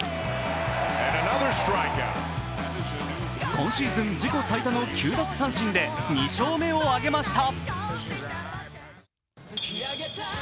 今シーズン自己最多の９奪三振で２勝目を挙げました。